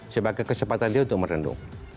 sebagai kesempatan dia untuk merenung